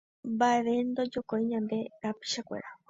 Mbaʼeve ndojokói ñande rapichakuérape.